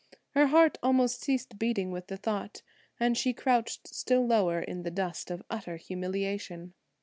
Her heart almost ceased beating with the thought, and she crouched still lower in the dust of utter humiliation.